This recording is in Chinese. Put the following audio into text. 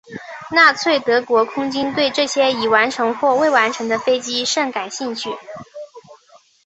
纳粹德国空军对这些已完成或未完成的飞机甚感兴趣。